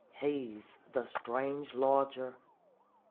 He's the strange lodger.